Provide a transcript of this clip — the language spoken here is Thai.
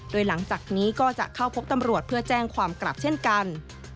โดยหลังจากนี้ก็จะเข้าพบตำรวจเพื่อแจ้งความกลับเช่นกัน